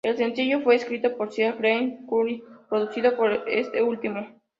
El sencillo fue escrito por Sia y Greg Kurstin, y producido por este último.